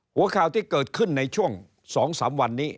หัวข่าวที่เกิดขึ้นในช่วง๒๓วันนี้